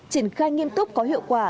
triển khai nghiêm túc có hiệu quả